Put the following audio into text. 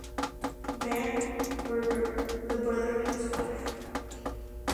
Van Bergen (the brother of his wife).